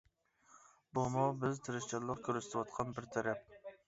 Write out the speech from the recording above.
بۇمۇ بىز تىرىشچانلىق كۆرسىتىۋاتقان بىر تەرەپ.